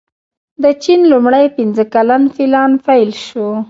د چین لومړی پنځه کلن پلان پیل شو.